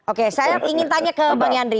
oke saya ingin tanya ke bang yandri